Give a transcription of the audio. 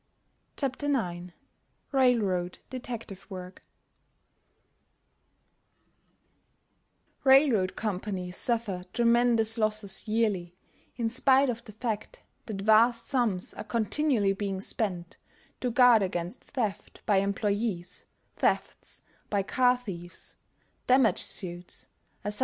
CHAPTER IX RAILROAD DETECTIVE WORK Railroad companies suffer tremendous losses yearly in spite of the fact that vast sums are continually being spent to guard against theft by employees, thefts by car thieves, damage suits, etc.